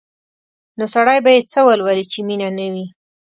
نو سړی به یې څه ولولي چې مینه نه وي؟